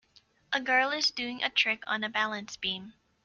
A girl is doing a trick on a balance beam.